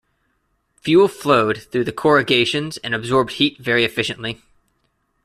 Fuel flowed through the corrugations and absorbed heat very efficiently.